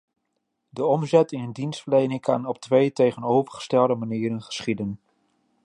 De omzetting in dienstverlening kan op twee tegenovergestelde manieren geschieden.